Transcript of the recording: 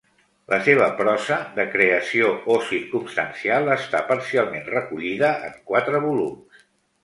La seva prosa, de creació o circumstancial, està parcialment recollida en quatre volums.